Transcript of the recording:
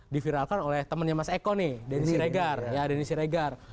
diviralkan oleh temennya mas eko nih denny siregar